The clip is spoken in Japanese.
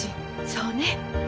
そうね。